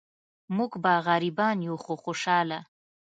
مونږ به غریبان یو خو خوشحاله.